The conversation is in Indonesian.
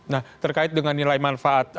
nah terkait dengan nilai manfaat